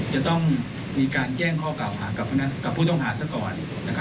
จะต้องมีการแจ้งข้อกล่าวหากับผู้ต้องหาซะก่อน